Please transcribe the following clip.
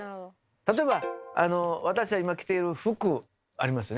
例えば私たち今着ている服ありますよね。